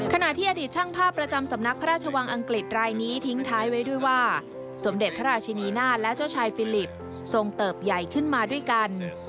ขณะที่อดีตช่างภาพประจำสำนักพระราชวังอังกฤษรายนี้ทิ้งท้ายไว้ด้วยว่าสมเด็จพระราชินีนาฏและเจ้าชายฟิลิปทรงเติบใหญ่ขึ้นมาด้วยกัน